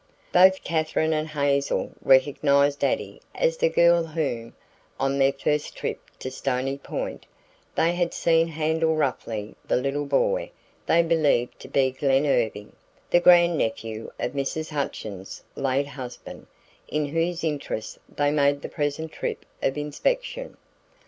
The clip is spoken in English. Both Katherine and Hazel recognized Addie as the girl whom, on their first trip to Stony Point, they had seen handle roughly the little boy they believed to be Glen Irving, the grandnephew of Mrs. Hutchins' late husband in whose interests they made the present trip of inspection.